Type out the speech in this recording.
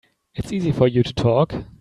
It's easy for you to talk.